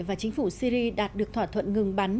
và chính phủ syri đạt được thỏa thuận ngừng bắn